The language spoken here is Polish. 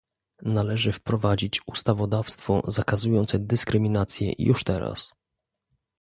Należy wprowadzić ustawodawstwo zakazujące dyskryminacji już teraz